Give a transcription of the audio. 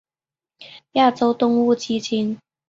亚洲动物基金。